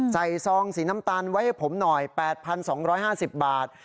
ซองสีน้ำตาลไว้ให้ผมหน่อย๘๒๕๐บาท